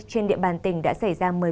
trên địa bàn tỉnh đã xảy ra